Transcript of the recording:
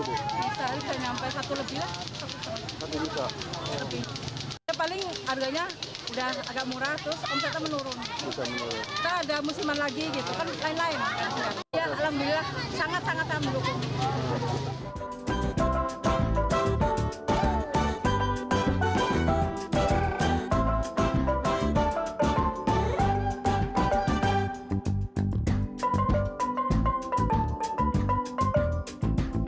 paling harganya udah agak murah terus menurun ada musiman lagi